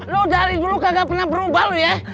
lo dari dulu kagak pernah berubah lo ya